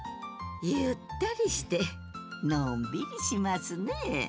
ゆったりしてのんびりしますね。